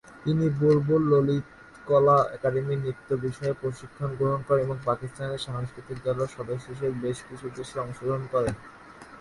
তিনি বুলবুল ললিতকলা একাডেমিতে নৃত্য বিষয়ে প্রশিক্ষণ গ্রহণ করেন এবং পাকিস্তান সাংস্কৃতিক দলের সদস্য হিসেবে বেশ কিছু দেশে অংশগ্রহণ করেন।